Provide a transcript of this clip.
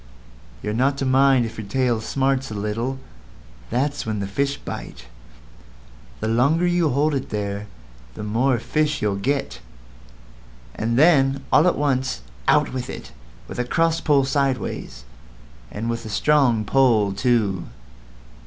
You're not to mind if your tail smarts a little; that's when the fish bite. The longer you hold it there the more fish you'll get; and then all at once out with it, with a cross pull sideways, and with a strong pull too."